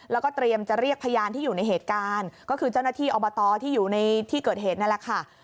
แล้วก็เตรียมจะเรียกพยานที่อยู่ในเหตุการณ์ก็คือเจ้าหน้าที่อบตที่อยู่ในที่เกิดเหตุนั่นแหละค่ะ